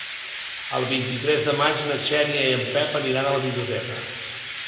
El vint-i-tres de maig na Xènia i en Pep aniran a la biblioteca.